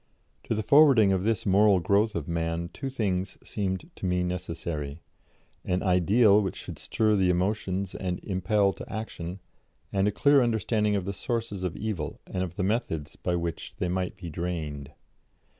" To the forwarding of this moral growth of man, two things seemed to me necessary an Ideal which should stir the emotions and impel to action, and a clear understanding of the sources of evil and of the methods by which they might be drained.